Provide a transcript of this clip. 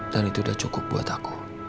dan itu udah cukup buat aku